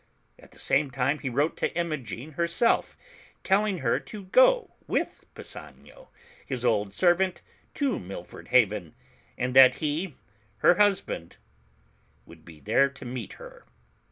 At the same time he wrote to Imogen herself, telling her to go with Pisanio, his old servant, to Milford Haven, and that he, her husband, would be there to meet her.